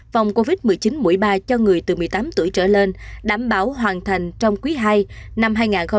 vòng covid một mươi chín mũi ba cho người từ một mươi tám tuổi trở lên đảm bảo hoàn thành trong quý ii năm hai nghìn hai mươi